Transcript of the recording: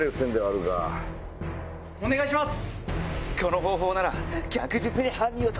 お願いします！